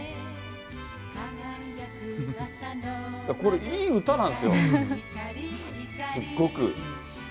これいい歌なんですよ、すっごく。